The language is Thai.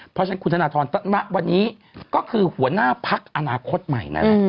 เพราะฉะนั้นคุณธนทรณะวันนี้ก็คือหัวหน้าภักดิ์อนาคตใหม่